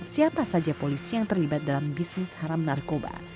siapa saja polisi yang terlibat dalam bisnis haram narkoba